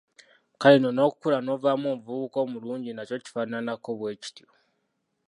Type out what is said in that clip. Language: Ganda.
Kale nno n'okukula n'ovaamu omuvubuka omulungi nakyo kifaananako bwe kityo.